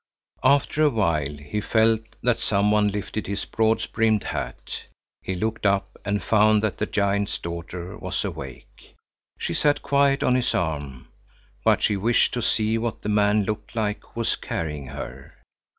After a while he felt that some one lifted his broad brimmed hat. He looked up and found that the giant's daughter was awake. She sat quiet on his arm, but she wished to see what the man looked like who was carrying her.